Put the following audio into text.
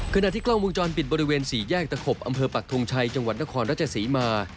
ขณะที่กล้องวงจรปิดบริเวณสี่แยกตะขบอำเภอปักทงชัยจังหวัดนครราชศรีมา